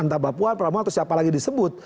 entah mbapuan pramono atau siapa lagi disebut